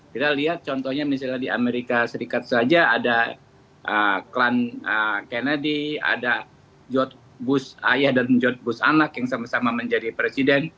kita lihat contohnya misalnya di amerika serikat saja ada klan kennedy ada ayah dan jodh bus anak yang sama sama menjadi presiden